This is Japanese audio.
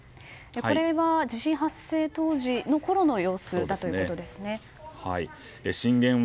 これは地震発生当時のころの様子だということですね。